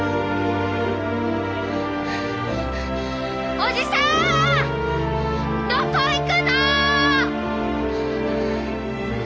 おじさんどこ行くの！？